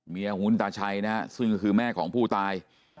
ของคุณตาชัยนะฮะซึ่งก็คือแม่ของผู้ตาย